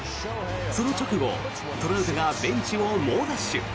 その直後、トラウトがベンチを猛ダッシュ。